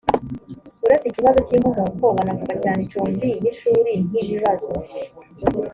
uretse ikibazo cy inkomoko banavuga cyane icumbi n ishuri nk ibibazo